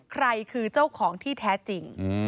ใครคือเจ้าของที่แท้จริง